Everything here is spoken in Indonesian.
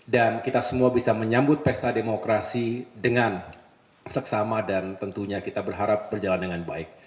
dan kita semua bisa menyambut pesta demokrasi dengan seksama dan tentunya kita berharap berjalan dengan baik